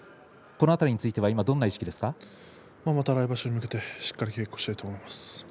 この辺りについてはまた来場所に向けてしっかり稽古したいと思います。